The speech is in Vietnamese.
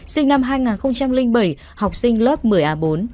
sinh năm hai nghìn bảy học sinh lớp một mươi a bốn